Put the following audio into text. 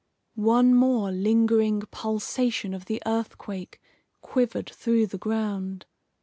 One more lingering pulsation of the earthquake quivered through the ground.